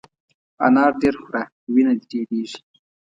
انار ډېر خوره ، وینه دي ډېرېږي !